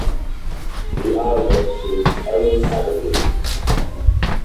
The islet is uninhabited.